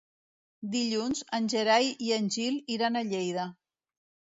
Dilluns en Gerai i en Gil iran a Lleida.